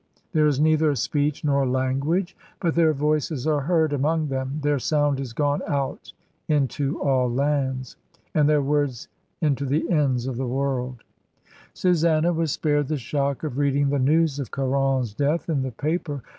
There is neither speech nor language: but their voices are heard among them, their sound is gone out into all lands: and their words into the ends of the world Susanna was spared the shock of reading the news of Caron's death in the paper.